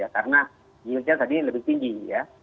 karena yieldnya tadi lebih tinggi ya